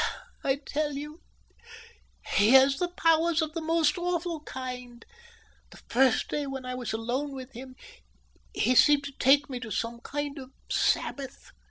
I tell you, he has powers of the most awful kind. That first day when I was alone with him, he seemed to take me to some kind of sabbath.